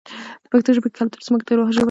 د پښتو ژبې کلتور زموږ د روح ښکلا ده.